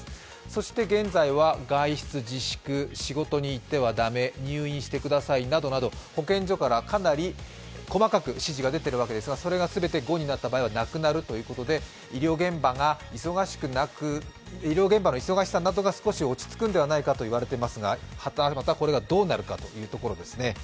そして現在は外出自粛、仕事に行っては駄目、入院してくださいなどなど保健所からかなり細かく指示が出ているわけですがそれが全て５になった場合はなくなるということで医療現場の忙しさなどが少し落ち着くのではないかと言われていますが、はたまた、これがどうなるかというところですね。